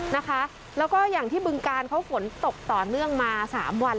นะคะแล้วก็อย่างที่บึงการเขาฝนตกต่อเนื่องมาสามวัน